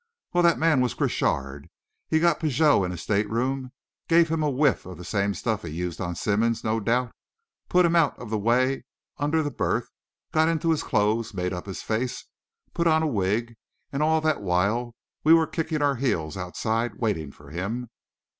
"Well, that man was Crochard. He got Pigot into his stateroom gave him a whiff of the same stuff he used on Simmonds, no doubt; put him out of the way under the berth; got into his clothes, made up his face, put on a wig and all that while we were kicking our heels outside waiting for him."